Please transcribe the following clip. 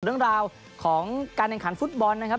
เรื่องราวของการแข่งขันฟุตบอลนะครับ